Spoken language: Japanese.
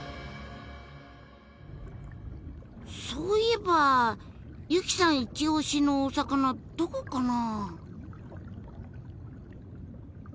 そういえば由起さんいち押しのお魚どこかな？